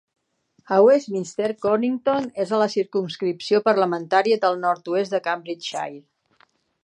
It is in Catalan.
A Westminster, Conington és a la circumscripció parlamentària del nord-oest de Cambridgeshire.